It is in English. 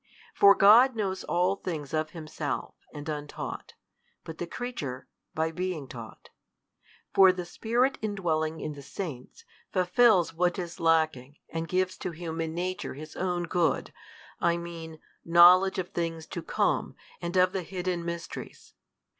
For God knows all things of Himself and untaught, but the creature, by being taught. For the Spirit indwelling in the Saints, fulfils what is lacking, and gives to human nature His Own good, I mean, knowledge of things to come, and of the hidden mysteries.